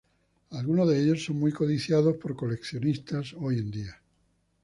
Algunos de ellos son muy codiciados por coleccionistas hoy en día.